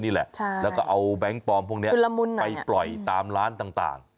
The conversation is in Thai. ใช่ชูลมุนหน่อยแล้วก็เอาแบงก์ปลอมพวกนี้ไปปล่อยตามร้านต่าง